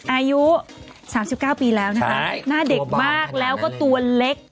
อายุ๓๙ปีแล้วนะคะหน้าเด็กมากแล้วก็ตัวเล็ก